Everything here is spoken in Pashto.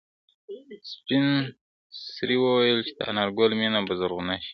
سپین سرې وویل چې د انارګل مېنه به زرغونه شي.